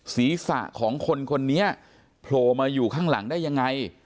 ศีรษะของคนคนนี้โผล่มาอยู่ข้างหลังได้ยังไง